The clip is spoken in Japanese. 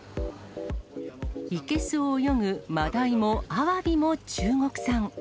生けすを泳ぐマダイもアワビも中国産。